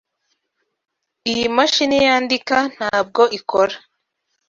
Iyi mashini yandika ntabwo ikora.